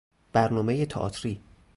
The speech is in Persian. برنامهی تئاتری